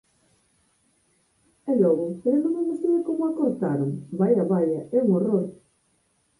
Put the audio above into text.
E logo! Pero non ve vostede como a cortaron? Vaia, vaia, é un horror!